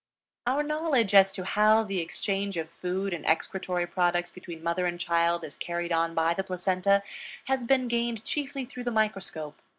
Our knowledge as to how the exchange of food and excretory products between mother and child is carried on by the placenta has been gained chiefly through the microscope.